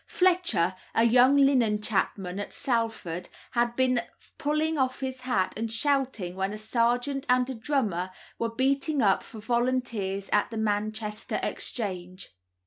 Fletcher, a young linen chapman at Salford, had been seen pulling off his hat and shouting when a sergeant and a drummer were beating up for volunteers at the Manchester Exchange.